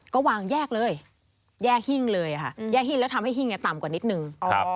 ก็วางแยกเลยแยกหิ้งเลยค่ะแยกหิ้งแล้วทำให้หิ้งต่ำกว่านิดนึง